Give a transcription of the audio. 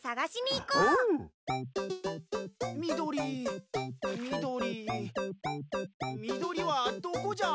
みどりはどこじゃ？